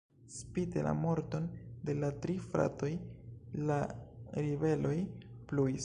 Spite la morton de la tri fratoj, la ribeloj pluis.